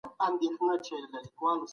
د مال ټولول په هره لاره سم نه دي.